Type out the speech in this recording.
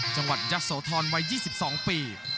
จังหวัดยะโสธรวัย๒๒ปี